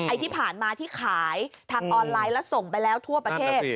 ที่ผ่านมาที่ขายทางออนไลน์แล้วส่งไปแล้วทั่วประเทศ